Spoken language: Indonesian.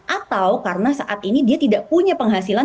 atau karena saat ini dia tidak punya penghasilan